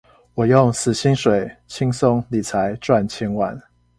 我用死薪水輕鬆理財賺千萬